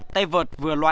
tay vợt vừa lộn